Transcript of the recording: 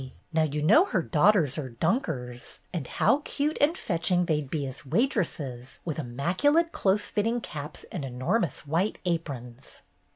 Now you know her daughters are Dunkers, and how cute and fetching they'd be as waitresses with immaculate close fit ting caps and enormous white aprons!"